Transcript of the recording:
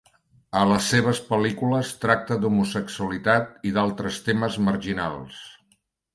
A les seves pel·lícules tracta l'homosexualitat i d'altres temes marginals.